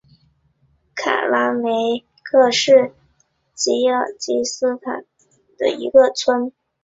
卡拉梅克是吉尔吉斯斯坦奥什州琼阿赖区下辖的一个村。